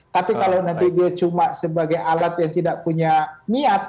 tapi kalau nanti dia cuma sebagai alat yang tidak punya niat